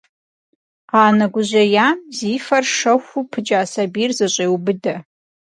Анэ гужьеям зи фэр шэхуу пыкӏа сабийр зэщӏеубыдэ.